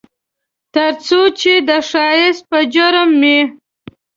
ترڅو چې د ښایست په جرم مې